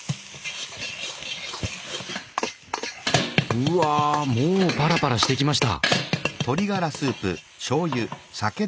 うわもうパラパラしてきました！